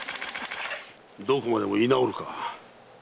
どこまでも居直るか。